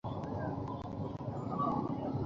আপনি আমায় বাঁচিয়েছেন?